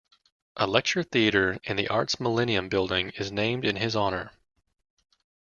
A lecture theatre in the Arts Millennium Building is named in his honour.